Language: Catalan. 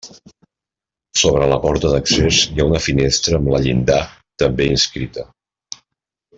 Sobre la porta d'accés hi ha una finestra amb la llinda també inscrita.